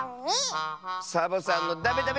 サボさんのダメダメせいじん！